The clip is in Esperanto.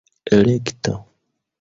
elekto